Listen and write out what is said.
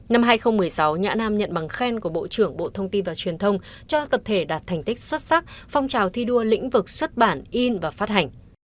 năm hai nghìn một mươi sáu nhã nam nhận bằng khen của bộ trưởng bộ thông tin và truyền thông cho tập thể đạt thành tích xuất sắc phong trào thi đua lĩnh vực xuất bản in và phát hành